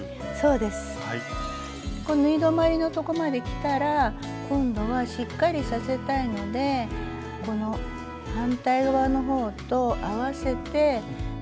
縫い止まりのとこまできたら今度はしっかりさせたいのでこの反対側の方と合わせて返し縫いを２３針します。